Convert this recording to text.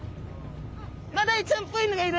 マダイちゃんっぽいのがいる！